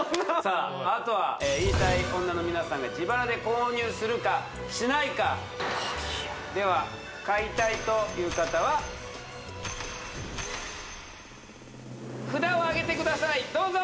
あとは言いたい女の皆さんが自腹で購入するかしないかどうしようでは買いたいという方は札をあげてくださいどうぞ！